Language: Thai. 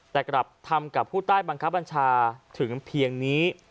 แต่กลับทำกับผู้ใต้บังคับบัญชาถึงเพียงนี้